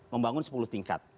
membangun sepuluh tingkat